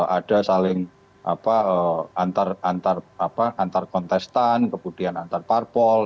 ada saling antar kontestan kemudian antar parpol